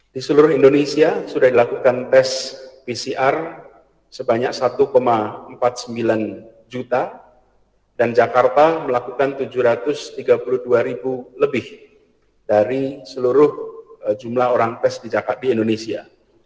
di seluruh indonesia sudah dilakukan tes pcr sebanyak satu empat puluh sembilan juta dan jakarta melakukan tujuh ratus tiga puluh dua ribu lebih dari seluruh jumlah orang tes di indonesia